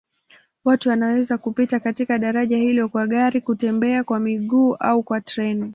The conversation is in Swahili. Watu wanaweza kupita katika daraja hilo kwa gari, kutembea kwa miguu au kwa treni.